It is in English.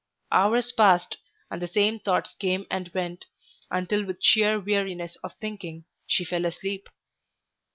Hours passed, and the same thoughts came and went, until with sheer weariness of thinking she fell asleep.